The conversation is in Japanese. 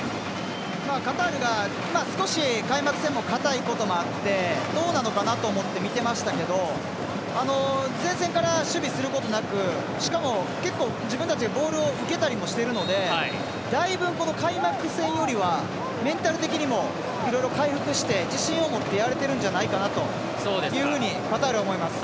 カタールが今少し開幕戦もかたいこともあってどうなのかなと思ってみてましたけど前線から守備することなくしかも、結構、自分たちがボールを受けたりもしてるのでだいぶ開幕戦よりはメンタル的にもだいぶ回復して自信を持ってやれてるんじゃないかなとカタールは思います。